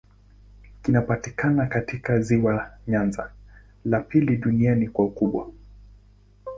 Kinapatikana katika ziwa Nyanza, la pili duniani kwa ukubwa.